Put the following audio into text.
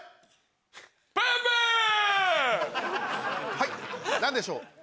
はい何でしょう？